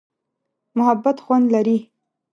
محبت خوند لري.